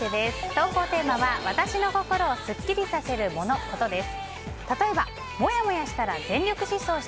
投稿テーマは私の心をスッキリさせるモノ・コトです。